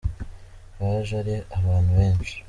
Baje ari abantu benshi.